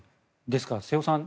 ですから瀬尾さん